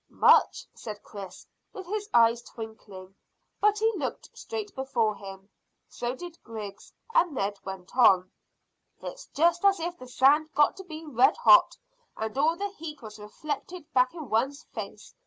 "Much," said Chris, with his eyes twinkling, but he looked straight before him. So did Griggs, and Ned went on "It's just as if the sand got to be red hot and all the heat was reflected back in one's face.